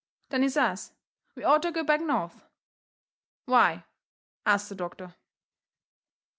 Then he says we orter go back North. "Why?" asts the doctor.